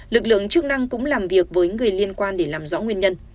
lực lượng chức năng cũng làm việc với người liên quan để làm rõ nguyên nhân